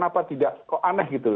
apa ya kok aneh gitu